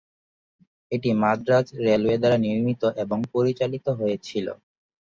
এটি মাদ্রাজ রেলওয়ে দ্বারা নির্মিত এবং পরিচালিত হয়েছিল।